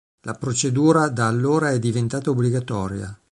La procedura da allora è diventata obbligatoria.